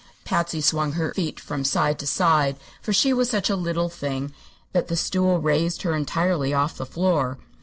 Patsy swung her feet from side to side, for she was such a little thing that the stool raised her entirely off the floor.